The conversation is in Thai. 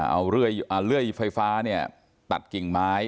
เอาเลื่อยไฟฟ้าเนี่ยตัดกิ่งไม้